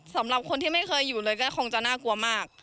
สำหรับคนที่ไม่เคยอยู่เลยก็คงจะน่ากลัวมาก